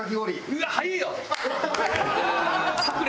うわっ早えよ！